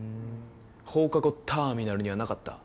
「放課後ターミナル」にはなかった？